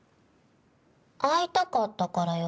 会いたかったからよ。